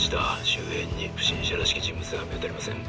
周辺に不審者らしき人物は見当たりません」。